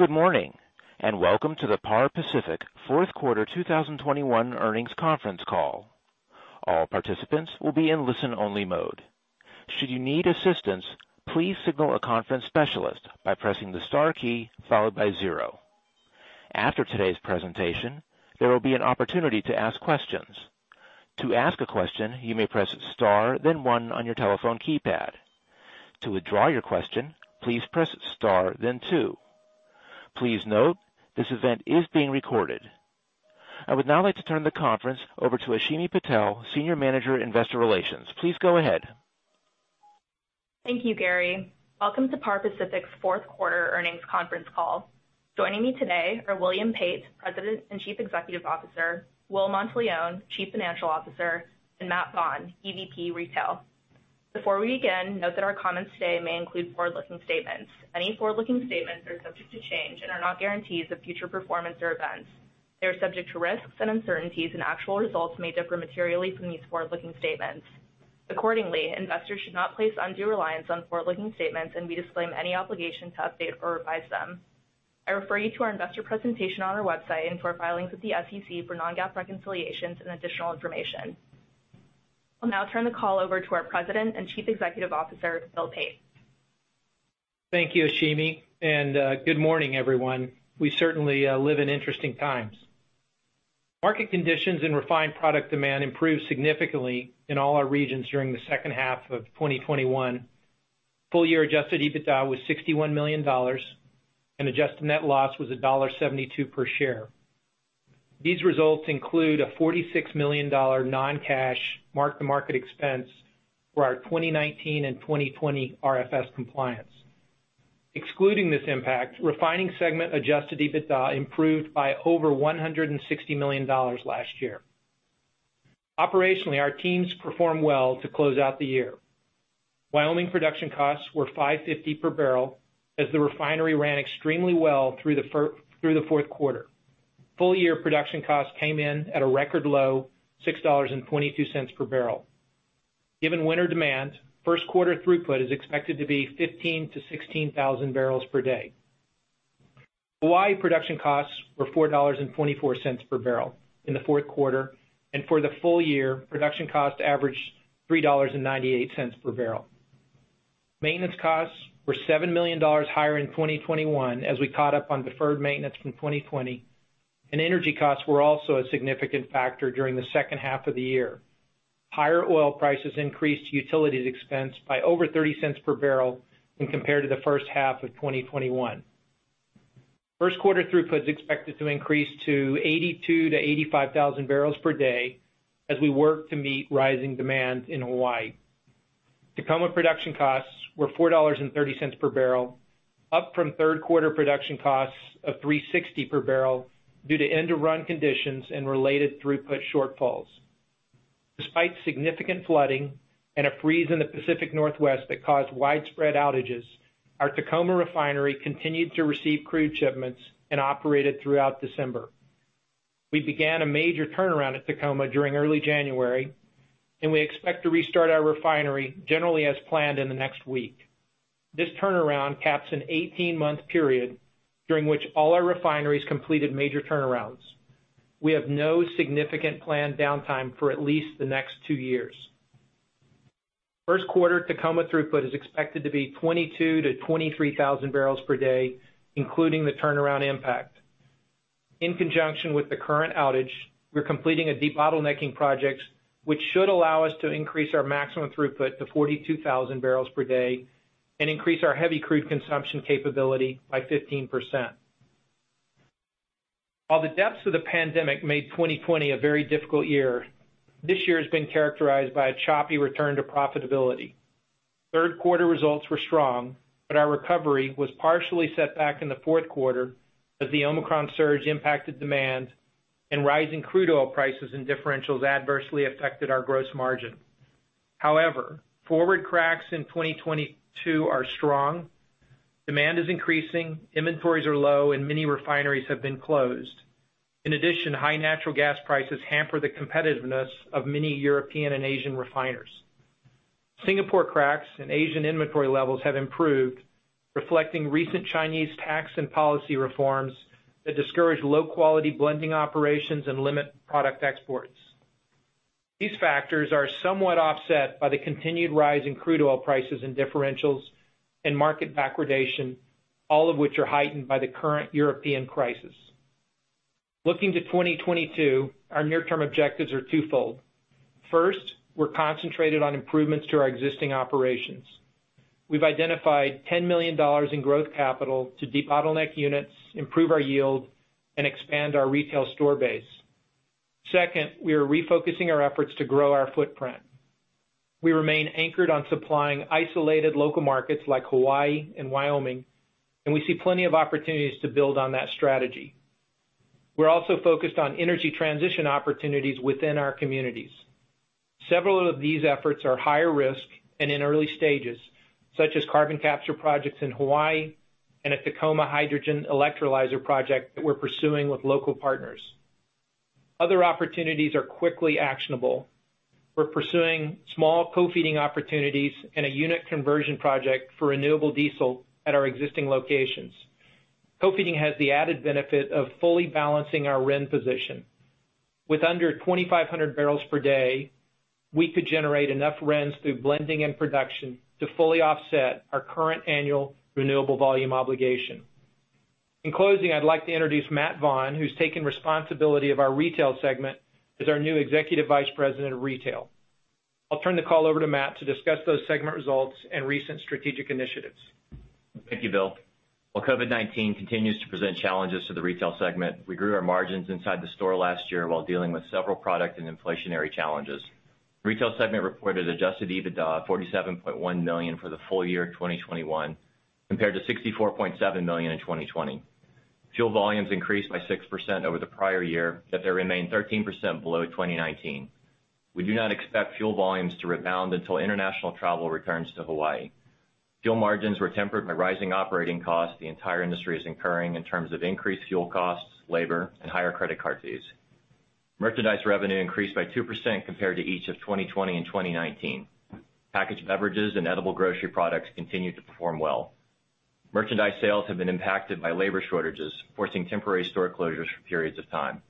Good morning and welcome to the Par Pacific Fourth Quarter 2021 Earnings Conference Call. All participants will be in listen-only mode. Should you need assistance, please signal a conference specialist by pressing the star key followed by zero. After today's presentation, there will be an opportunity to ask questions. To ask a question, you may press star, then one on your telephone keypad. To withdraw your question, please press star, then two. Please note this event is being recorded. I would now like to turn the conference over to Ashimi Patel, Senior Manager, Investor Relations. Please go ahead. Thank you, Gary. Welcome to Par Pacific's Fourth Quarter Earnings Conference Call. Joining me today are William Pate, President and Chief Executive Officer; Will Monteleone, Chief Financial Officer; and Matt Vaughn, EVP Retail. Before we begin, note that our comments today may include forward-looking statements. Any forward-looking statements are subject to change and are not guarantees of future performance or events. They are subject to risks and uncertainties, and actual results may differ materially from these forward-looking statements. Accordingly, investors should not place undue reliance on forward-looking statements and we disclaim any obligation to update or revise them. I refer you to our investor presentation on our website and to our filings with the SEC for non-GAAP reconciliations and additional information. I'll now turn the call over to our President and Chief Executive Officer, Bill Pate. Thank you, Ashimi, and good morning, everyone. We certainly live in interesting times. Market conditions and refined product demand improved significantly in all our regions during the second half of 2021. Full-year adjusted EBITDA was $61 million, and Adjusted Net Loss was $1.72 per share. These results include a $46 million non-cash mark-to-market expense for our 2019 and 2020 RFS compliance. Excluding this impact, refining segment adjusted EBITDA improved by over $160 million last year. Operationally, our teams performed well to close out the year. Wyoming production costs were $5.50 per barrel as the refinery ran extremely well through the fourth quarter. Full-year production costs came in at a record low, $6.22 per barrel. Given winter demand, first quarter throughput is expected to be 15,000-16,000 barrels per day. Hawaii production costs were $4.24 per barrel in the fourth quarter, and for the full year, production costs averaged $3.98 per barrel. Maintenance costs were $7 million higher in 2021 as we caught up on deferred maintenance from 2020, and energy costs were also a significant factor during the second half of the year. Higher oil prices increased utilities expense by over $0.30 per barrel when compared to the first half of 2021. First quarter throughput is expected to increase to 82,000-85,000 barrels per day as we work to meet rising demand in Hawaii. Tacoma production costs were $4.30 per barrel, up from third quarter production costs of $3.60 per barrel due to end-of-run conditions and related throughput shortfalls. Despite significant flooding and a freeze in the Pacific Northwest that caused widespread outages, our Tacoma refinery continued to receive crude shipments and operated throughout December. We began a major turnaround at Tacoma during early January, and we expect to restart our refinery generally as planned in the next week. This turnaround caps an 18-month period during which all our refineries completed major turnarounds. We have no significant planned downtime for at least the next two years. First quarter Tacoma throughput is expected to be 22,000-23,000 barrels per day, including the turnaround impact. In conjunction with the current outage, we're completing a de-bottlenecking project, which should allow us to increase our maximum throughput to 42,000 barrels per day and increase our heavy crude consumption capability by 15%. While the depths of the pandemic made 2020 a very difficult year, this year has been characterized by a choppy return to profitability. Third quarter results were strong, but our recovery was partially set back in the fourth quarter as the Omicron surge impacted demand, and rising crude oil prices and differentials adversely affected our gross margin. However, forward cracks in 2022 are strong. Demand is increasing, inventories are low, and many refineries have been closed. In addition, high Natural Gas prices hamper the competitiveness of many European and Asian refiners. Singapore cracks and Asian inventory levels have improved, reflecting recent Chinese tax and policy reforms that discourage low-quality blending operations and limit product exports. These factors are somewhat offset by the continued rise in Crude Oil prices and differentials and market backwardation, all of which are heightened by the current European crisis. Looking to 2022, our near-term objectives are twofold. First, we're concentrated on improvements to our existing operations. We've identified $10 million in growth capital to de-bottleneck units, improve our yield, and expand our retail store base. Second, we are refocusing our efforts to grow our footprint. We remain anchored on supplying isolated local markets like Hawaii and Wyoming, and we see plenty of opportunities to build on that strategy. We're also focused on energy transition opportunities within our communities. Several of these efforts are higher risk and in early stages, such as Carbon Capture projects in Hawaii and a Tacoma Hydrogen Electrolyzer project that we're pursuing with local partners. Other opportunities are quickly actionable. We're pursuing small Co-feeding opportunities and a unit conversion project for renewable diesel at our existing locations. Co-feeding has the added benefit of fully balancing our RIN position. With under 2,500 barrels per day, we could generate enough RINs through blending and production to fully offset our current Annual Renewable Volume Obligation. In closing, I'd like to introduce Matt Vaughn, who's taken responsibility of our retail segment as our new Executive Vice President of Retail. I'll turn the call over to Matt to discuss those segment results and recent strategic initiatives. Thank you, Bill. While COVID-19 continues to present challenges to the retail segment, we grew our margins inside the store last year while dealing with several product and inflationary challenges. Retail segment reported adjusted EBITDA of $47.1 million for the full year of 2021, compared to $64.7 million in 2020. Fuel volumes increased by 6% over the prior year, yet they remain 13% below 2019. We do not expect fuel volumes to rebound until international travel returns to Hawaii. Fuel margins were tempered by rising operating costs the entire industry is incurring in terms of increased fuel costs, labor, and higher credit card fees. Merchandise revenue increased by 2% compared to each of 2020 and 2019. Packaged beverages and edible grocery products continue to perform well. Merchandise sales have been impacted by labor shortages, forcing temporary store closures for periods of time.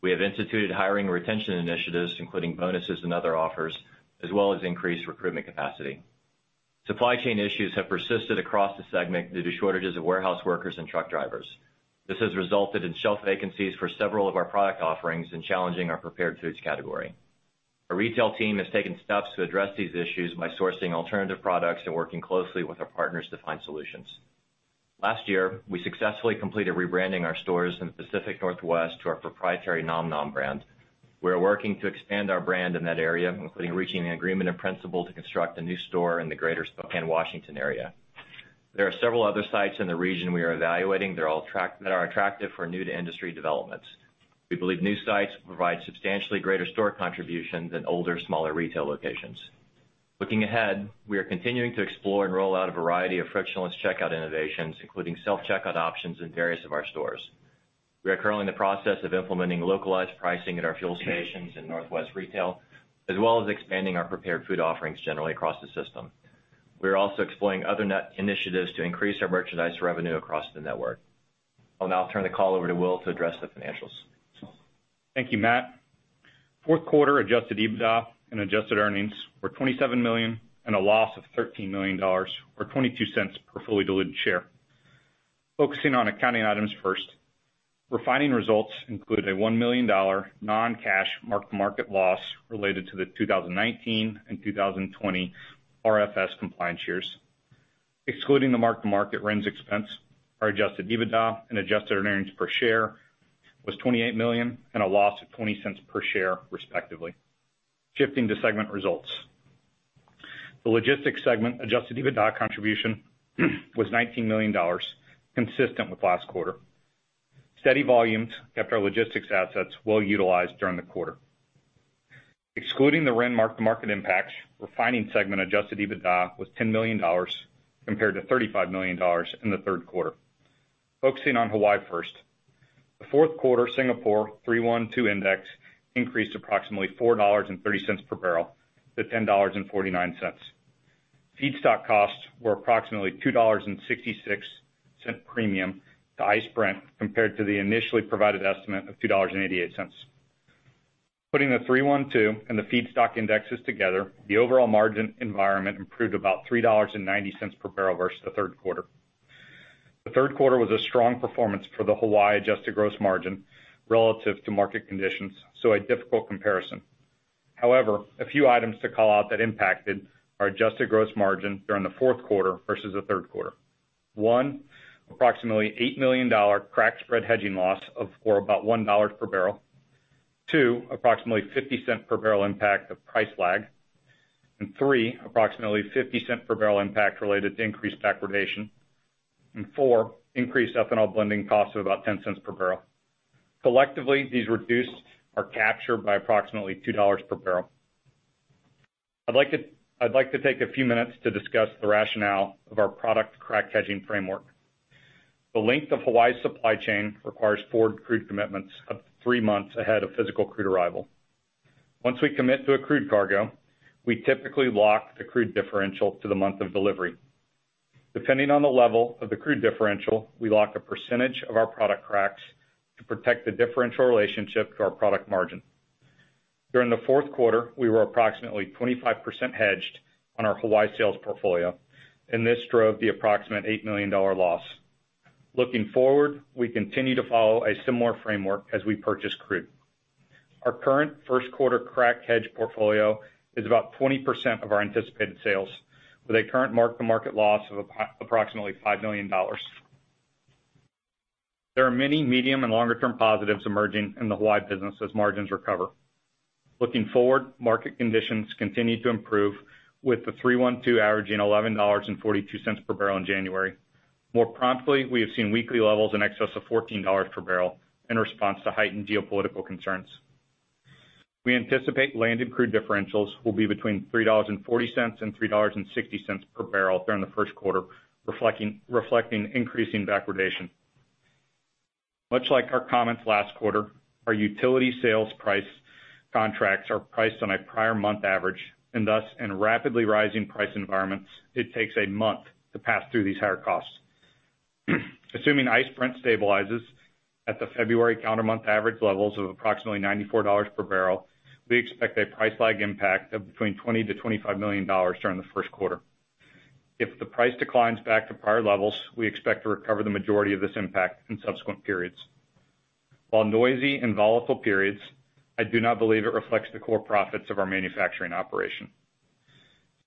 We have instituted hiring retention initiatives, including bonuses and other offers, as well as increased recruitment capacity. Supply chain issues have persisted across the segment due to shortages of warehouse workers and truck drivers. This has resulted in shelf vacancies for several of our product offerings and challenging our prepared foods category. Our retail team has taken steps to address these issues by sourcing alternative products and working closely with our partners to find solutions. Last year, we successfully completed rebranding our stores in the Pacific Northwest to our proprietary nomnom brand. We are working to expand our brand in that area, including reaching an agreement in principle to construct a new store in the greater Spokane, Washington area. There are several other sites in the region we are evaluating that are attractive for new-to-industry developments. We believe new sites will provide substantially greater store contribution than older, smaller retail locations. Looking ahead, we are continuing to explore and roll out a variety of frictionless checkout innovations, including Self-checkout options in various of our stores. We are currently in the process of implementing localized pricing at our fuel stations and Northwest retail, as well as expanding our prepared food offerings generally across the system. We are also exploring other initiatives to increase our merchandise revenue across the network. I'll now turn the call over to Will to address the financials. Thank you, Matt. Fourth quarter adjusted EBITDA and adjusted earnings were $27 million and a loss of $13 million or $0.22 per fully-diluted share. Focusing on accounting items first, refining results include a $1 million non-cash mark-to-market loss related to the 2019 and 2020 RFS compliance years. Excluding the mark-to-market RINs expense, our adjusted EBITDA and adjusted earnings per share was $28 million and a loss of $0.20 per share, respectively. Shifting to segment results, the logistics segment adjusted EBITDA contribution was $19 million, consistent with last quarter. Steady volumes kept our logistics assets well utilized during the quarter. Excluding the RIN mark-to-market impacts, refining segment adjusted EBITDA was $10 million compared to $35 million in the third quarter. Focusing on Hawaii first, the fourth quarter Singapore 3-1-2 index increased approximately $4.30 per barrel to $10.49. Feedstock costs were approximately $2.66 premium to ICE Brent compared to the initially provided estimate of $2.88. Putting the 3-1-2 and the Feedstock Indexes together, the overall margin environment improved about $3.90 per barrel versus the third quarter. The third quarter was a strong performance for the Hawaii Adjusted Gross Margin relative to market conditions, so a difficult comparison. However, a few items to call out that impacted our Adjusted Gross Margin during the fourth quarter versus the third quarter. One, approximately $8 million crack spread hedging loss of about $1 per barrel. Two, approximately $0.50 per barrel impact of price lag. Three, approximately $0.50 per barrel impact related to increased backwardation. Four, increased ethanol blending costs of about $0.10 per barrel. Collectively, these reduced our capture by approximately $2 per barrel. I'd like to take a few minutes to discuss the rationale of our product crack hedging framework. The length of Hawaii's supply chain requires forward crude commitments up to three months ahead of physical crude arrival. Once we commit to a crude cargo, we typically lock the crude differential to the month of delivery. Depending on the level of the crude differential, we lock a percentage of our product cracks to protect the differential relationship to our product margin. During the fourth quarter, we were approximately 25% hedged on our Hawaii sales portfolio, and this drove the approximate $8 million loss. Looking forward, we continue to follow a similar framework as we purchase crude. Our current first quarter crack hedge portfolio is about 20% of our anticipated sales, with a current mark-to-market loss of approximately $5 million. There are many medium and longer-term positives emerging in the Hawaii business as margins recover. Looking forward, market conditions continue to improve with the 3-1-2 averaging $11.42 per barrel in January. More promptly, we have seen weekly levels in excess of $14 per barrel in response to heightened geopolitical concerns. We anticipate landed crude differentials will be between $3.40 and $3.60 per barrel during the first quarter, reflecting increasing backwardation. Much like our comments last quarter, our utility sales price contracts are priced on a prior month average, and thus, in rapidly rising price environments, it takes a month to pass through these higher costs. Assuming ICE Brent stabilizes at the February counter-month average levels of approximately $94 per barrel, we expect a price lag impact of between $20-$25 million during the first quarter. If the price declines back to prior levels, we expect to recover the majority of this impact in subsequent periods. While noisy and volatile periods, I do not believe it reflects the core profits of our manufacturing operation.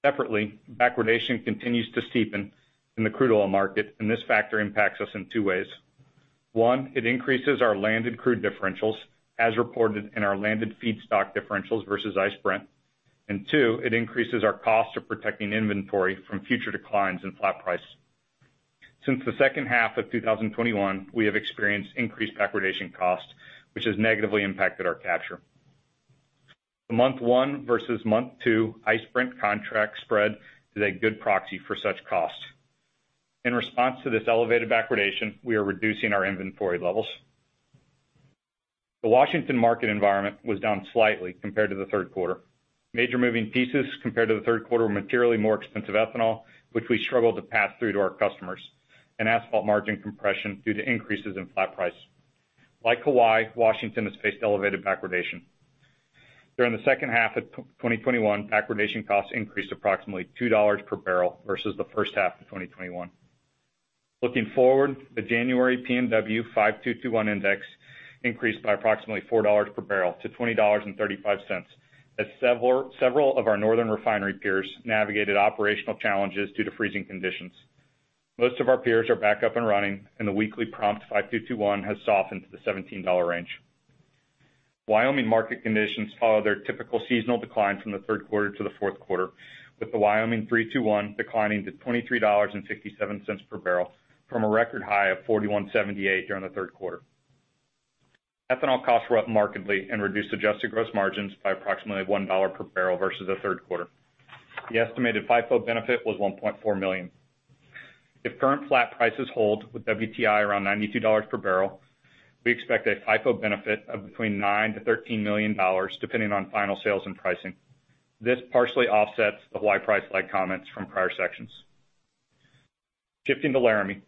Separately, backwardation continues to steepen in the crude oil market, and this factor impacts us in two ways. One, it increases our landed crude differentials as reported in our landed feedstock differentials versus ICE Brent. Two, it increases our cost of protecting inventory from future declines in flat price. Since the second half of 2021, we have experienced increased backwardation costs, which has negatively impacted our capture. The month one versus month two ICE Brent contract spread is a good proxy for such costs. In response to this elevated backwardation, we are reducing our inventory levels. The Washington market environment was down slightly compared to the third quarter. Major moving pieces compared to the third quarter were materially more expensive Ethanol, which we struggled to pass through to our customers, and asphalt margin compression due to increases in flat price. Like Hawaii, Washington has faced elevated backwardation. During the second half of 2021, backwardation costs increased approximately $2 per barrel versus the first half of 2021. Looking forward, the January P&W 5-2-2-1 index increased by approximately $4 per barrel to $20.35, as several of our northern refinery peers navigated operational challenges due to freezing conditions. Most of our peers are back up and running, and the weekly prompt 5-2-2-1 has softened to the $17 range. Wyoming market conditions follow their typical seasonal decline from the third quarter to the fourth quarter, with the Wyoming 3-2-1 declining to $23.57 per barrel from a record high of $41.78 during the third quarter. Ethanol costs were up markedly and reduced adjusted gross margins by approximately $1 per barrel versus the third quarter. The estimated FIFO benefit was $1.4 million. If current flat prices hold with WTI around $92 per barrel, we expect a FIFO benefit of between $9-$13 million, depending on final sales and pricing. This partially offsets the Hawaii price lag comments from prior sections. Shifting to Laramie.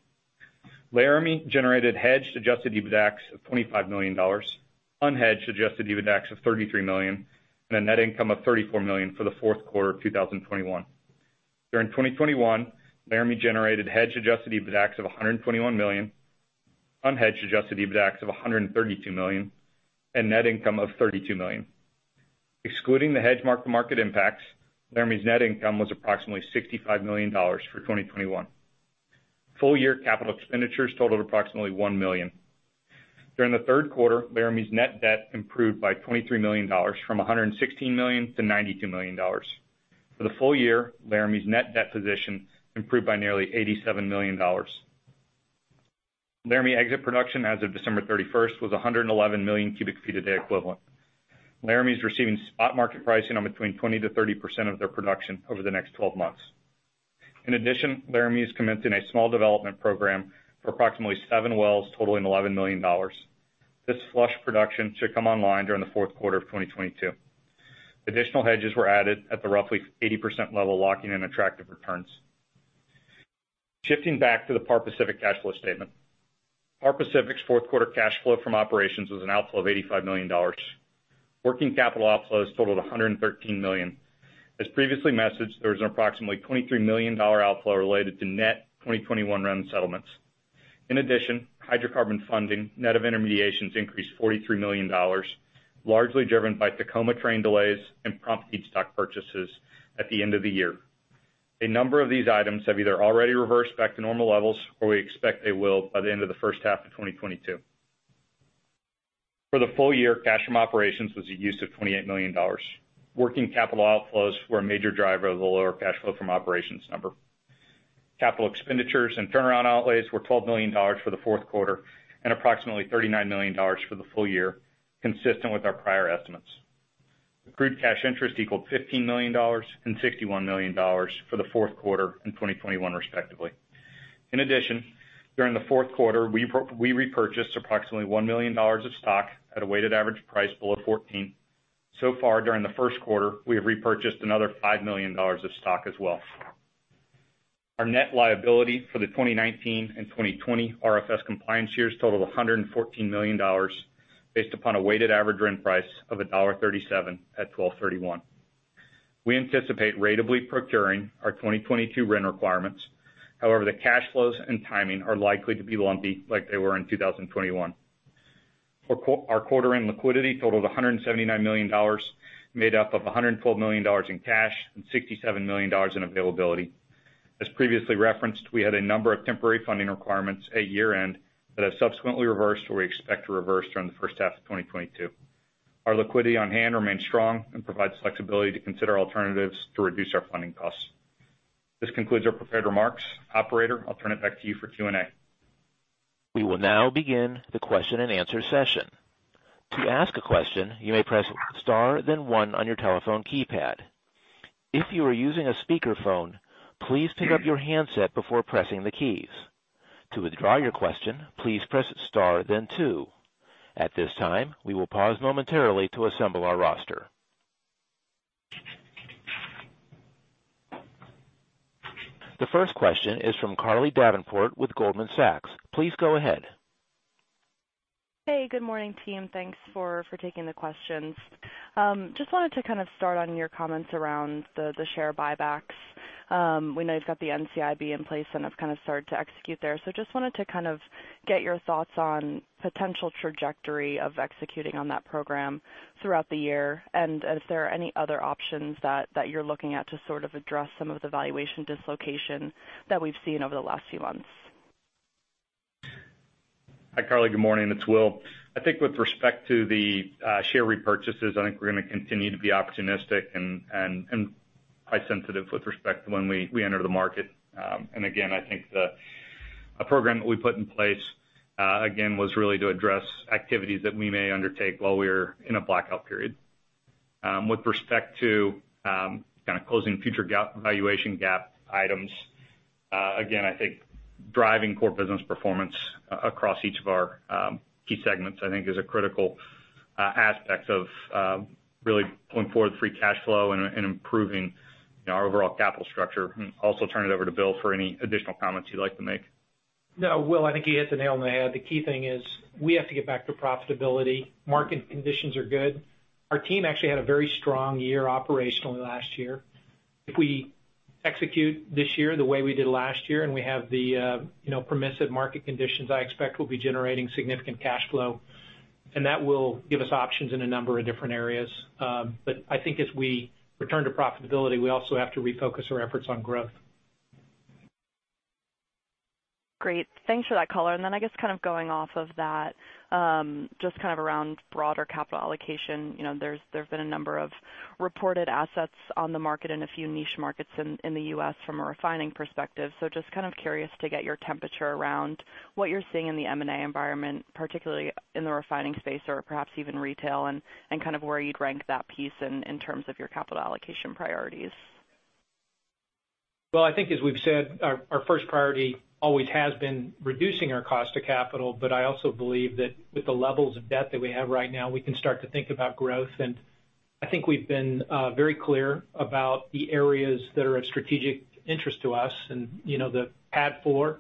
Laramie generated hedged adjusted EBITDA of $25 million, unhedged adjusted EBITDA of $33 million, and a net income of $34 million for the fourth quarter of 2021. During 2021, Laramie generated hedged adjusted EBITDA of $121 million, unhedged adjusted EBITDA of $132 million, and Net Income of $32 million. Excluding the hedged mark-to-market impacts, Laramie's Net Income was approximately $65 million for 2021. Full year capital expenditures totaled approximately $1 million. During the third quarter, Laramie's Net Debt improved by $23 million from $116 million to $92 million. For the full year, Laramie's Net Debt position improved by nearly $87 million. Laramie exit production as of December 31 was 111 million cubic feet a day equivalent. Laramie is receiving spot market pricing on between 20%-30% of their production over the next 12 months. In addition, Laramie is commencing a small development program for approximately seven wells, totaling $11 million. This flush production should come online during the fourth quarter of 2022. Additional hedges were added at the roughly 80% level, locking in attractive returns. Shifting back to the Par Pacific cash flow statement. Par Pacific's fourth quarter cash flow from operations was an outflow of $85 million. Working capital outflows totaled $113 million. As previously messaged, there was an approximately $23 million outflow related to Net 2021 RIN settlements. In addition, hydrocarbon funding net of intermediations increased $43 million, largely driven by Tacoma train delays and prompt feedstock purchases at the end of the year. A number of these items have either already reversed back to normal levels or we expect they will by the end of the first half of 2022. For the full year, cash from operations was a use of $28 million. Working capital outflows were a major driver of the lower cash flow from operations number. Capital expenditures and turnaround outlays were $12 million for the fourth quarter and approximately $39 million for the full year, consistent with our prior estimates. The crude cash interest equaled $15 million and $61 million for the fourth quarter and 2021, respectively. In addition, during the fourth quarter, we repurchased approximately $1 million of stock at a weighted average price below $14. During the first quarter, we have repurchased another $5 million of stock as well. Our net liability for the 2019 and 2020 RFS compliance years totaled $114 million, based upon a weighted average RIN price of $1.37 at 12/31. We anticipate ratably procuring our 2022 RIN requirements. However, the cash flows and timing are likely to be lumpy like they were in 2021. Our quarter-end liquidity totaled $179 million, made up of $112 million in cash and $67 million in availability. As previously referenced, we had a number of temporary funding requirements at year-end that have subsequently reversed or we expect to reverse during the first half of 2022. Our liquidity on hand remains strong and provides flexibility to consider alternatives to reduce our funding costs. This concludes our prepared remarks. Operator, I'll turn it back to you for Q&A. We will now begin the question and answer session. To ask a question, you may press star, then one on your telephone keypad. If you are using a speakerphone, please pick up your handset before pressing the keys. To withdraw your question, please press star, then two. At this time, we will pause momentarily to assemble our roster. The first question is from Carly Davenport with Goldman Sachs. Please go ahead. Hey, good morning, team. Thanks for taking the questions. Just wanted to kind of start on your comments around the share buybacks. We know you've got the NCIB in place and have kind of started to execute there. Just wanted to kind of get your thoughts on potential trajectory of executing on that program throughout the year and if there are any other options that you're looking at to sort of address some of the valuation dislocation that we've seen over the last few months. Hi, Carly. Good morning. It's Will. I think with respect to the share repurchases, I think we're going to continue to be opportunistic and price sensitive with respect to when we enter the market. I think the program that we put in place, again, was really to address activities that we may undertake while we are in a blackout period. With respect to kind of closing future valuation gap items, I think driving core business performance across each of our key segments, I think, is a critical aspect of really pulling forward free cash flow and improving our overall capital structure. I will also turn it over to Bill for any additional comments he'd like to make. No, Will, I think you hit the nail on the head. The key thing is we have to get back to profitability. Market conditions are good. Our team actually had a very strong year operationally last year. If we execute this year the way we did last year and we have the permissive market conditions, I expect we'll be generating significant cash flow, and that will give us options in a number of different areas. I think as we return to profitability, we also have to refocus our efforts on growth. Great. Thanks for that, Caller. I guess kind of going off of that, just kind of around broader capital allocation, there's been a number of reported assets on the market in a few niche markets in the U.S. from a refining perspective. Just kind of curious to get your temperature around what you're seeing in the M&A environment, particularly in the refining space or perhaps even retail, and kind of where you'd rank that piece in terms of your capital allocation priorities. I think as we've said, our first priority always has been reducing our cost of capital, but I also believe that with the levels of debt that we have right now, we can start to think about growth. I think we've been very clear about the areas that are of strategic interest to us and the PADD 4,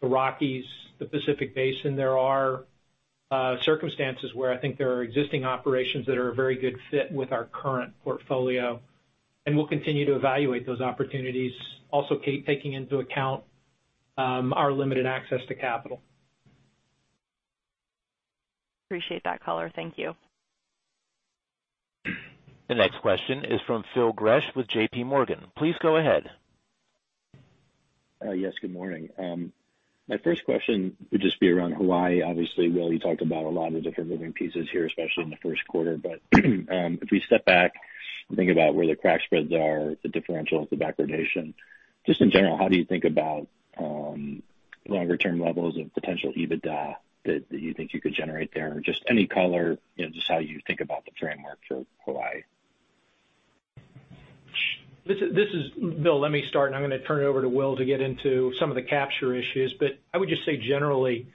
the Rockies, the Pacific Basin. There are circumstances where I think there are existing operations that are a very good fit with our current portfolio, and we'll continue to evaluate those opportunities, also taking into account our limited access to capital. Appreciate that, caller. Thank you. The next question is from Phil Gresh with JP Morgan. Please go ahead. Yes, good morning. My first question would just be around Hawaii. Obviously, Will, you talked about a lot of different moving pieces here, especially in the first quarter. If we step back and think about where the crack spreads are, the differentials, the backwardation, just in general, how do you think about longer-term levels of potential EBITDA that you think you could generate there? Just any color, just how you think about the framework for Hawaii. This is Bill. Let me start, and I'm going to turn it over to Will to get into some of the capture issues. I would just say generally,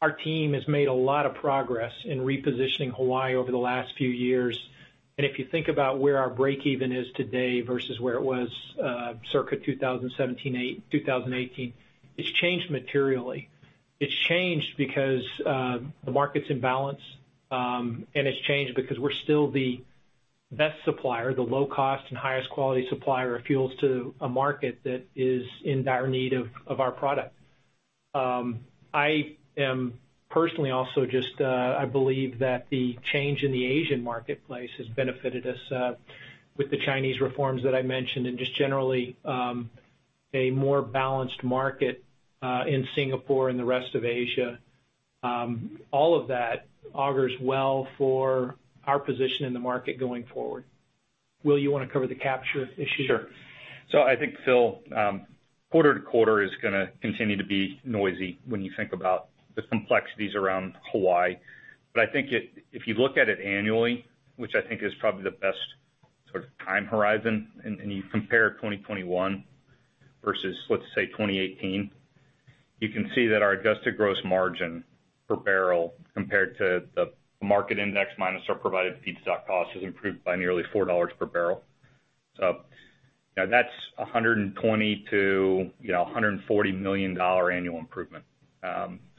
our team has made a lot of progress in repositioning Hawaii over the last few years. If you think about where our break-even is today versus where it was circa 2017, 2018, it's changed materially. It's changed because the market's in balance, and it's changed because we're still the best supplier, the low-cost and highest-quality supplier of fuels to a market that is in dire need of our product. I am personally also just, I believe that the change in the Asian marketplace has benefited us with the Chinese reforms that I mentioned and just generally a more balanced market in Singapore and the rest of Asia. All of that augurs well for our position in the market going forward. Will, you want to cover the capture issue? Sure. I think, Phil, quarter-to-quarter is going to continue to be noisy when you think about the complexities around Hawaii. I think if you look at it annually, which I think is probably the best sort of time horizon, and you compare 2021 versus, let's say, 2018, you can see that our Adjusted Gross Margin per barrel compared to the market index minus our provided feedstock cost has improved by nearly $4 per barrel. That is $120-$140 million annual improvement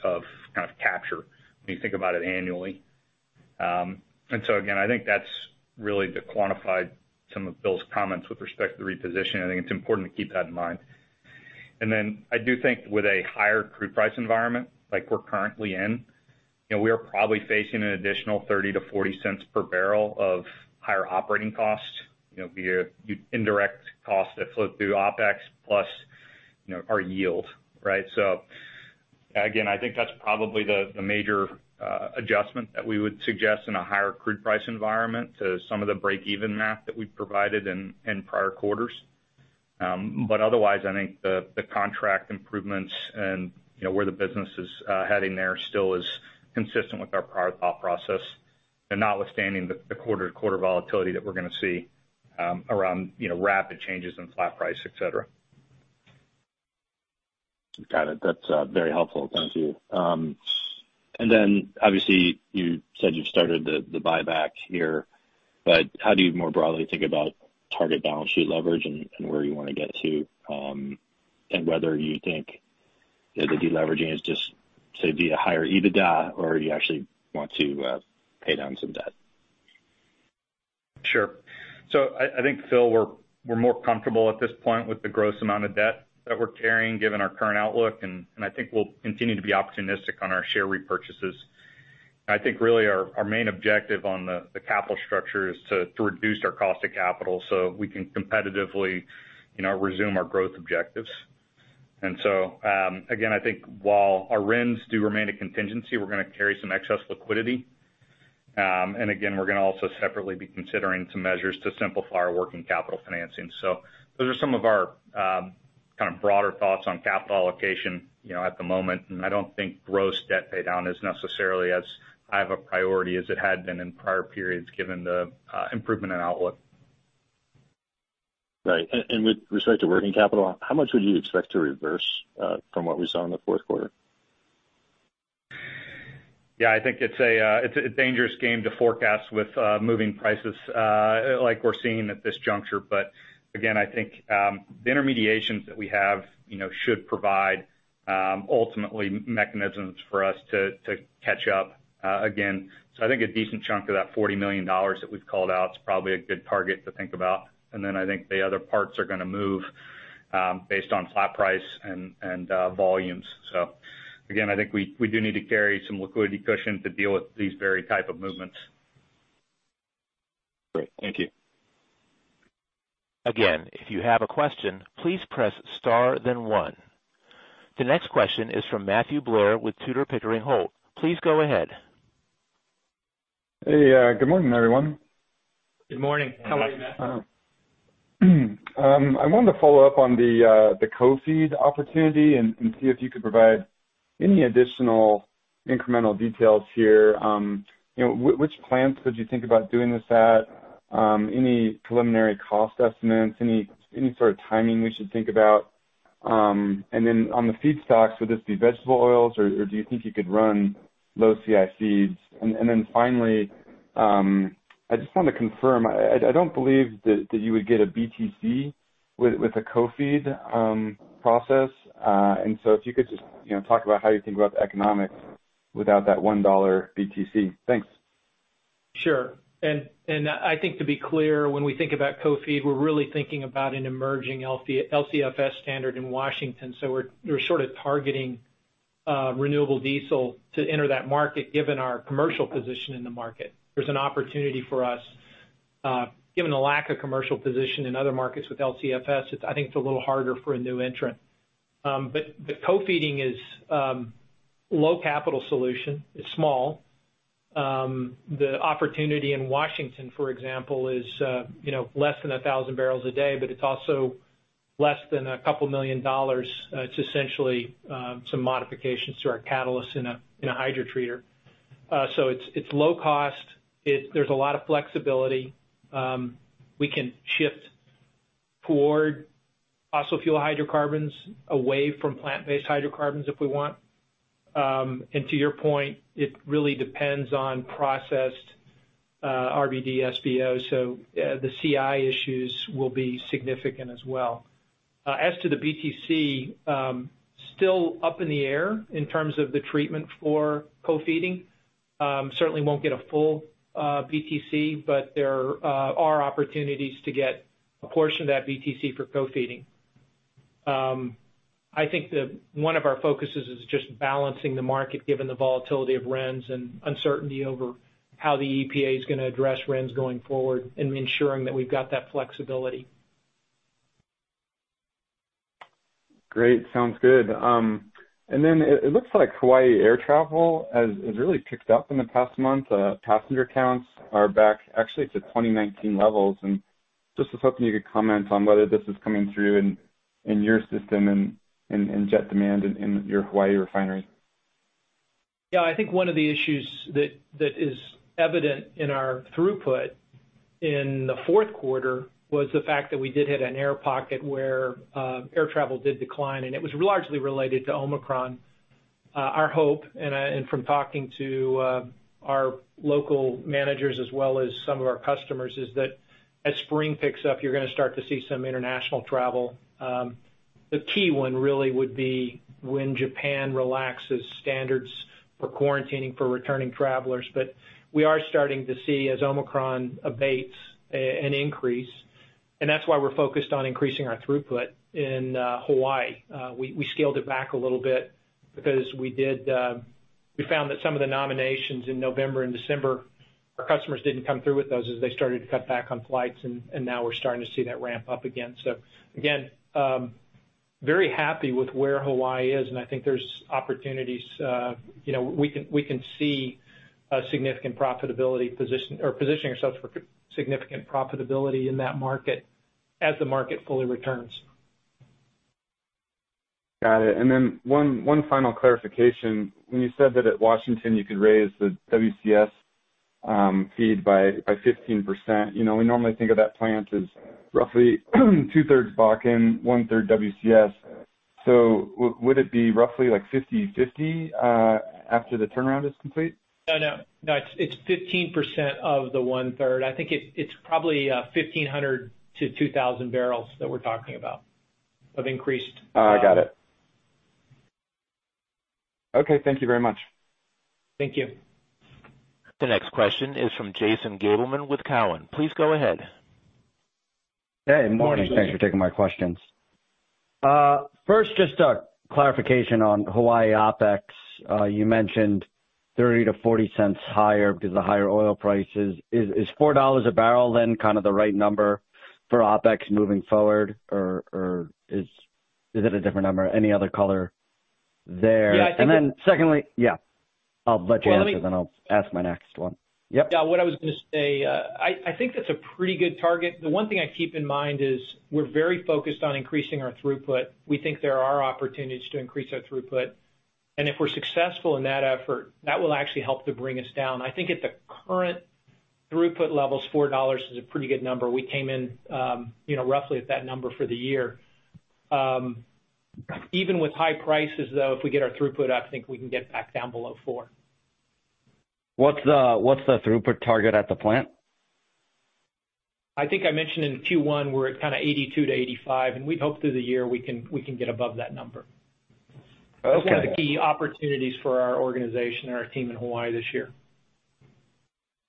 of kind of capture when you think about it annually. I think that is really to quantify some of Bill's comments with respect to the repositioning. I think it is important to keep that in mind. I do think with a higher crude price environment like we're currently in, we are probably facing an additional $0.30-$0.40 per barrel of higher operating costs via indirect costs that flow through OPEX plus our yield. Right? I think that's probably the major adjustment that we would suggest in a higher crude price environment to some of the break-even math that we provided in prior quarters. Otherwise, I think the contract improvements and where the business is heading there still is consistent with our prior thought process, notwithstanding the quarter-to-quarter volatility that we're going to see around rapid changes in flat price, etc. Got it. That's very helpful. Thank you. Obviously, you said you've started the buyback here, but how do you more broadly think about target balance sheet leverage and where you want to get to and whether you think the deleveraging is just, say, via higher EBITDA or you actually want to pay down some debt? Sure. I think, Phil, we're more comfortable at this point with the gross amount of debt that we're carrying given our current outlook, and I think we'll continue to be opportunistic on our share repurchases. I think really our main objective on the capital structure is to reduce our cost of capital so we can competitively resume our growth objectives. Again, I think while our RINs do remain a contingency, we're going to carry some excess liquidity. Again, we're going to also separately be considering some measures to simplify our working capital financing. Those are some of our kind of broader thoughts on capital allocation at the moment. I don't think gross debt paydown is necessarily as high of a priority as it had been in prior periods given the improvement in outlook. Right. With respect to working capital, how much would you expect to reverse from what we saw in the fourth quarter? Yeah, I think it's a dangerous game to forecast with moving prices like we're seeing at this juncture. Again, I think the intermediations that we have should provide ultimately mechanisms for us to catch up again. I think a decent chunk of that $40 million that we've called out is probably a good target to think about. I think the other parts are going to move based on flat price and volumes. Again, I think we do need to carry some liquidity cushion to deal with these very type of movements. Great. Thank you. Again, if you have a question, please press star, then one. The next question is from Matthew Blair with Tudor, Pickering, Holt. Please go ahead. Hey, good morning, everyone. Good morning. How are you, Matthew? I wanted to follow up on the co-seed opportunity and see if you could provide any additional incremental details here. Which plants would you think about doing this at? Any preliminary cost estimates? Any sort of timing we should think about? On the feedstocks, would this be vegetable oils, or do you think you could run low-CI seeds? I just want to confirm, I do not believe that you would get a BTC with a co-seed process. If you could just talk about how you think about the economics without that $1 BTC. Thanks. Sure. I think to be clear, when we think about co-seed, we're really thinking about an emerging LCFS standard in Washington. We are sort of targeting renewable diesel to enter that market given our commercial position in the market. There's an opportunity for us. Given the lack of commercial position in other markets with LCFS, I think it's a little harder for a new entrant. Co-seeding is a low-capital solution. It's small. The opportunity in Washington, for example, is less than 1,000 barrels a day, but it's also less than a couple of million dollars. It's essentially some modifications to our catalysts in a hydrotreater. It's low cost. There's a lot of flexibility. We can shift toward fossil fuel hydrocarbons away from plant-based hydrocarbons if we want. To your point, it really depends on processed RBD, SBO. The CI issues will be significant as well. As to the BTC, still up in the air in terms of the treatment for co-seeding. Certainly will not get a full BTC, but there are opportunities to get a portion of that BTC for co-seeding. I think one of our focuses is just balancing the market given the volatility of RINs and uncertainty over how the EPA is going to address RINs going forward and ensuring that we have that flexibility. Great. Sounds good. It looks like Hawaii air travel has really picked up in the past month. Passenger counts are back actually to 2019 levels. I was hoping you could comment on whether this is coming through in your system and jet demand in your Hawaii refineries. Yeah. I think one of the issues that is evident in our throughput in the fourth quarter was the fact that we did hit an air pocket where air travel did decline, and it was largely related to Omicron. Our hope, and from talking to our local managers as well as some of our customers, is that as spring picks up, you're going to start to see some international travel. The key one really would be when Japan relaxes standards for quarantining for returning travelers. We are starting to see, as Omicron abates, an increase. That's why we're focused on increasing our throughput in Hawaii. We scaled it back a little bit because we found that some of the nominations in November and December, our customers did not come through with those as they started to cut back on flights, and now we are starting to see that ramp up again. Very happy with where Hawaii is, and I think there are opportunities. We can see a significant profitability position or positioning ourselves for significant profitability in that market as the market fully returns. Got it. One final clarification. When you said that at Washington you could raise the WCS feed by 15%, we normally think of that plant as roughly two-thirds Bakken, one-third WCS. Would it be roughly like 50/50 after the turnaround is complete? No, no. No, it's 15% of the one-third. I think it's probably 1,500-2,000 barrels that we're talking about of increased. I got it. Okay. Thank you very much. Thank you. The next question is from Jason Gabelman with TD Cowen. Please go ahead. Hey, morning. Thanks for taking my questions. First, just a clarification on Hawaii OPEX. You mentioned $0.30-$0.40 higher because of the higher oil prices. Is $4 a barrel then kind of the right number for OPEX moving forward, or is it a different number? Any other color there? Yeah, I think. Secondly. Yeah. I'll let you answer, then I'll ask my next one. Yep. Yeah. What I was going to say, I think that's a pretty good target. The one thing I keep in mind is we're very focused on increasing our throughput. We think there are opportunities to increase our throughput. If we're successful in that effort, that will actually help to bring us down. I think at the current throughput levels, $4 is a pretty good number. We came in roughly at that number for the year. Even with high prices, though, if we get our throughput up, I think we can get back down below $4. What's the throughput target at the plant? I think I mentioned in Q1 we're at kind of 82-85, and we'd hope through the year we can get above that number. It's kind of the key opportunities for our organization and our team in Hawaii this year.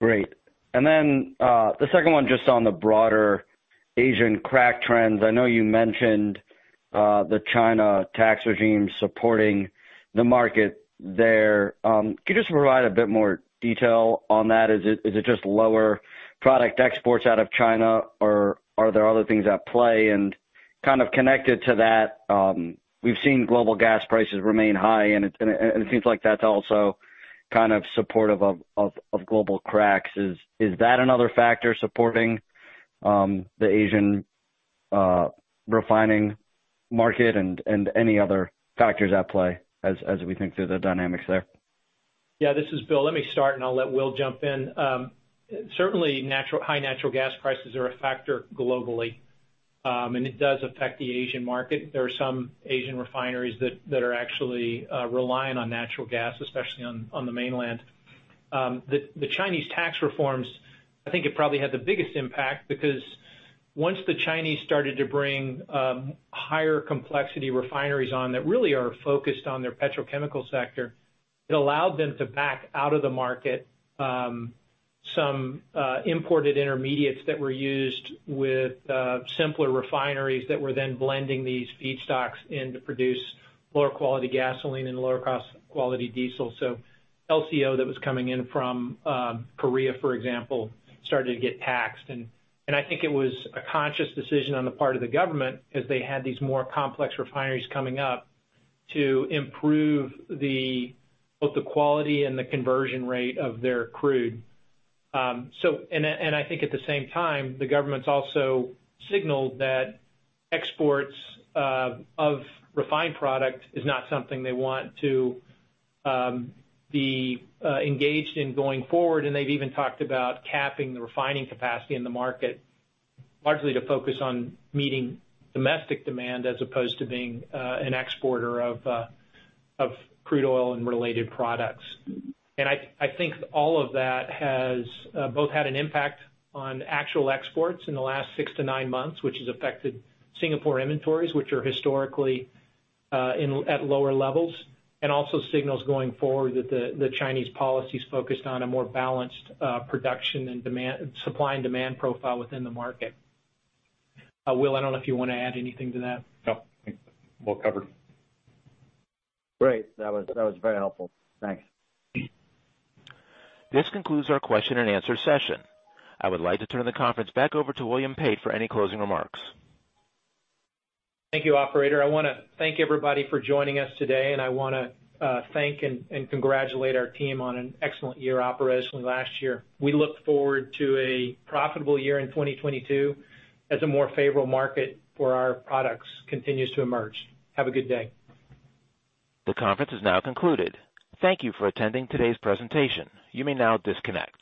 Great. Then the second one just on the broader Asian crack trends. I know you mentioned the China Tax Regime supporting the market there. Could you just provide a bit more detail on that? Is it just lower product exports out of China, or are there other things at play? Kind of connected to that, we've seen global gas prices remain high, and it seems like that's also kind of supportive of global cracks. Is that another factor supporting the Asian refining market and any other factors at play as we think through the dynamics there? Yeah. This is Bill. Let me start, and I'll let Will jump in. Certainly, high natural gas prices are a factor globally, and it does affect the Asian market. There are some Asian refineries that are actually relying on natural gas, especially on the mainland. The Chinese Tax Reforms, I think it probably had the biggest impact because once the Chinese started to bring higher complexity refineries on that really are focused on their petrochemical sector, it allowed them to back out of the market some imported intermediates that were used with simpler refineries that were then blending these feedstocks in to produce lower quality gasoline and lower cost quality diesel. LCO that was coming in from Korea, for example, started to get taxed. I think it was a conscious decision on the part of the government as they had these more complex refineries coming up to improve both the quality and the conversion rate of their crude. I think at the same time, the government's also signaled that exports of refined product is not something they want to be engaged in going forward. They have even talked about capping the refining capacity in the market largely to focus on meeting domestic demand as opposed to being an exporter of crude oil and related products. I think all of that has both had an impact on actual exports in the last six to nine months, which has affected Singapore inventories, which are historically at lower levels, and also signals going forward that the Chinese policy is focused on a more balanced production and supply and demand profile within the market. Will, I don't know if you want to add anything to that. No. I think it's well covered. Great. That was very helpful. Thanks. This concludes our question and answer session. I would like to turn the conference back over to William Pate for any closing remarks. Thank you, Operator. I want to thank everybody for joining us today, and I want to thank and congratulate our team on an excellent year operationally last year. We look forward to a profitable year in 2022 as a more favorable market for our products continues to emerge. Have a good day. The conference is now concluded. Thank you for attending today's presentation. You may now disconnect.